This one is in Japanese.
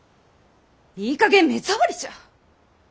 いいかげん目障りじゃ。